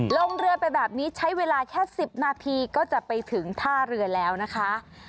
ลงเรือไปแบบนี้ใช้เวลาแค่๑๐นาทีก็จะไปถึงท่าเรือแล้วนะคะ